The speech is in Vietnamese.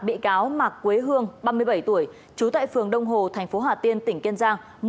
bị cáo mạc quế hương ba mươi bảy tuổi trú tại phường đông hồ thành phố hà tiên tỉnh kiên giang